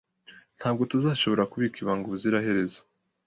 Ntabwo tuzashobora kubika ibanga ubuziraherezo